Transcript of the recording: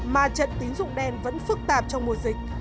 mà trận tín dụng đen vẫn phức tạp trong mùa dịch